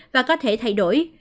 và có thể thay đổi